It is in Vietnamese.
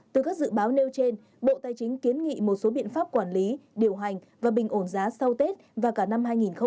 từ các dự báo nêu trên bộ tài chính kiến nghị một số biện pháp quản lý điều hành và bình ổn giá sau tết và cả năm hai nghìn hai mươi